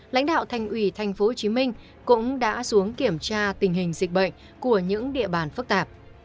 lãnh đạo thành ủy tp hcm cũng đã xuống kiểm tra tình hình dịch bệnh của những địa bàn phức tạp